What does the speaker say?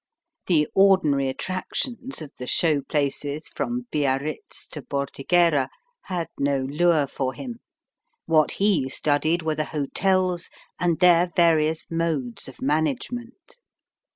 The ordinary attractions of the show places from Biarritz to Bordighera had no lure for him. What he studied were the hotels and their various modes of management.